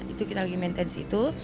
itu kita lagi maintenance itu